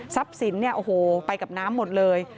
ซับสินโอ้โฮไปกับน้ำหมดเลย